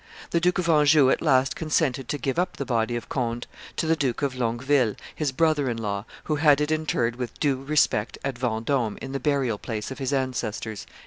The Duke of Anjou at last consented to give up the body of Conde to the Duke of Longueville, his brother in law, who had it interred with due respect at Vendome in the burial place of his ancestors."